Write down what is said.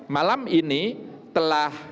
malam ini telah